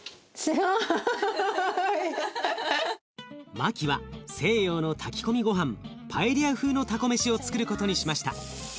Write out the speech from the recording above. マキは西洋の炊き込みごはんパエリア風のたこ飯をつくることにしました。